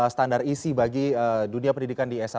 standar isi bagi dunia pendidikan